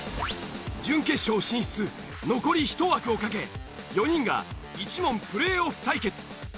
準決勝進出残り１枠をかけ４人が１問プレーオフ対決！